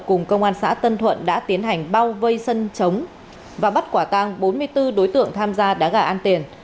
cùng công an xã tân thuận đã tiến hành bao vây sân trống và bắt quả tăng bốn mươi bốn đối tượng tham gia đá gà ăn tiền